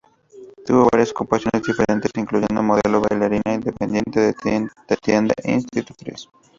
Tuvo varias ocupaciones diferentes, incluyendo modelo, bailarina, dependiente de tienda e institutriz.